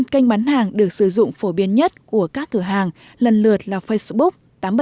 kênh bán hàng được sử dụng phổ biến nhất của các cửa hàng lần lượt là facebook tám trăm bảy mươi